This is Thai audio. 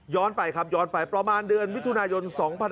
ย้อนไปครับย้อนไปประมาณเดือนวิทยุนายน๒๑๖๕